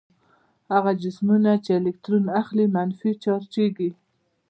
هغه جسمونه چې الکترون اخلي منفي چارجیږي.